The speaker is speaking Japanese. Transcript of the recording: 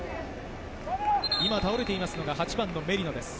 倒れていますのが８番のメリノです。